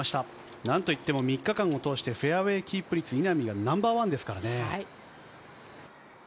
何といっても３日間を通して、フェアウエーキープ率、稲見はナンバーワンですからね。